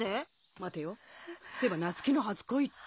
待てよそういえば夏希の初恋って。